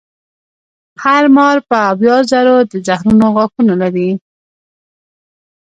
هر مار به اویا زره د زهرو غاښونه لري.